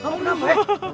kalau kenapa he